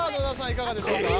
いかがでしょうか？